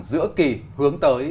giữa kỳ hướng tới